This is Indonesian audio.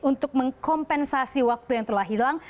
untuk mengkompensasi waktu yang telah hilang